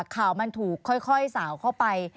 ข่าวมันถูกค่อยสาวเข้าไป